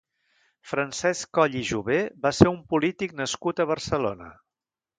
Francesc Coll i Jové va ser un polític nascut a Barcelona.